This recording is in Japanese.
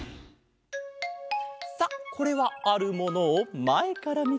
さあこれはあるものをまえからみたかげだ。